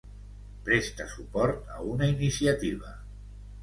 Prestar suport a una iniciativa.